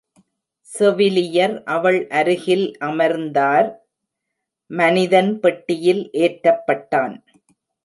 செவிலியர் அவள் அருகில் அமர்ந்தார்; மனிதன் பெட்டியில் ஏற்றப்பட்டான்.